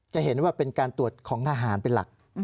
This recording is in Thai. จะเห็นว่าเป็นการตรวจของทหารเป็นหลัก